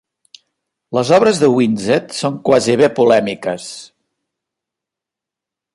Les obres de Winzet són quasi bé polèmiques.